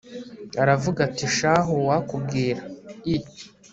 aravuga ati shahu uwakubwira i